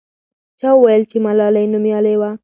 چا وویل چې ملالۍ نومیالۍ وه.